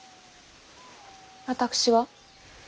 私は。